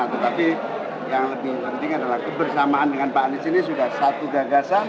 tetapi yang lebih penting adalah kebersamaan dengan pak anies ini sudah satu gagasan